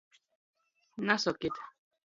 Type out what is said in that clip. Nasokit!